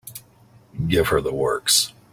Give her the works.